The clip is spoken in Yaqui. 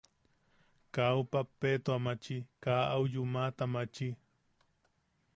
Kaa au pappeta maachi, kaa au yumaʼata maachi.